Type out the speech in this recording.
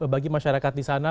bagi masyarakat di sana